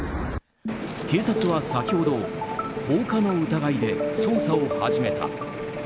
警察は先ほど、放火の疑いで捜査を始めた。